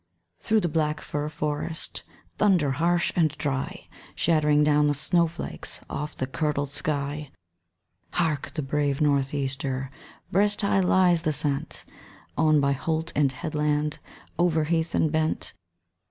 Through the black fir forest Thunder harsh and dry, Shattering down the snow flakes Off the curdled sky. Hark! The brave North easter! Breast high lies the scent, On by holt and headland, Over heath and bent.